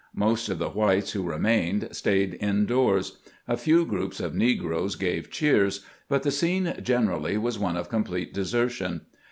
Most of the whites who remained stayed indoors ; a few groups of negroes gave cheers, but the scene generally was one of complete desertion.